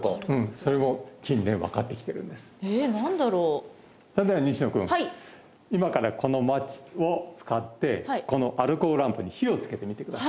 それでは西野君今からこのマッチを使ってこのアルコールランプに火をつけてみてください